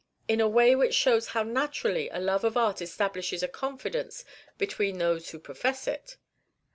"In a way which shows how naturally a love of art establishes a confidence between those who profess it."